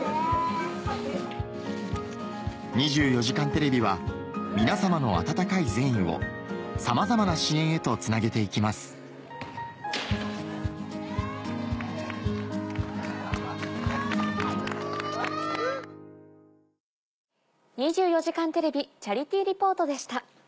『２４時間テレビ』は皆様の温かい善意をさまざまな支援へとつなげて行きます「２４時間テレビチャリティー・リポート」でした。